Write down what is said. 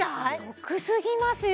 得すぎますよ